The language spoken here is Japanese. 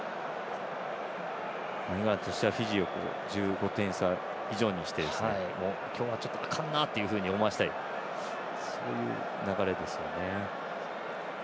イングランドとしてはフィジーを１５点差以上にして今日はあかんなっていうふうに思わせたいそういう流れですよね。